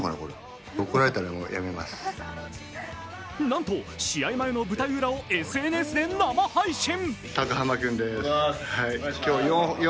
なんと試合前の舞台裏をＳＮＳで生配信。